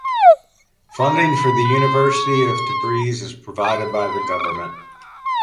Funding for the University of Tabriz is provided by the government.